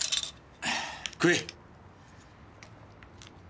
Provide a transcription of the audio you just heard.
食え。